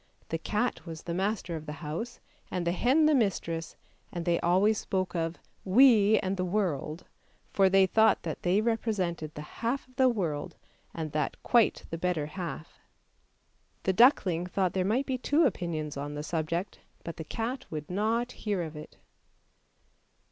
The cat was the master of the house and the hen the mistress, and they always spoke of "we and the world," for they thought that they represented the half of the world, and that quite the better half. The duckling thought there might be two opinions on the subject, but the cat would not hear of it.